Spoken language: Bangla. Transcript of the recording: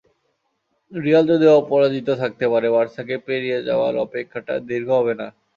রিয়াল যদি অপরাজিত থাকতে পারে, বার্সাকে পেরিয়ে যাওয়ার অপেক্ষাটা দীর্ঘ হবে না।